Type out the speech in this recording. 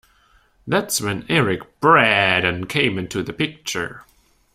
That's when Eric Braeden came into the picture.